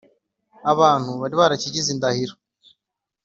Abantu bari barakigize indahiro